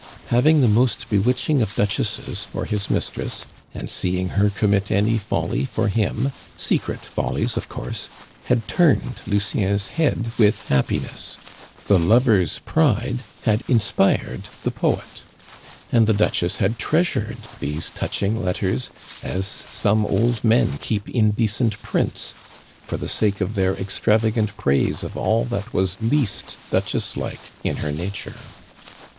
Having the most bewitching of duchesses for his mistress, and seeing her commit any folly for him secret follies, of course had turned Lucien's head with happiness. The lover's pride had inspired the poet. And the Duchess had treasured these touching letters, as some old men keep indecent prints, for the sake of their extravagant praise of all that was least duchess like in her nature.